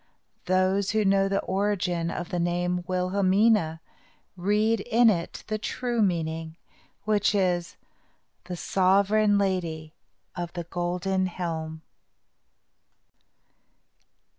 Those who know the origin of the name Wilhelmina read in it the true meaning, which is, "The Sovereign Lady of the Golden Helm."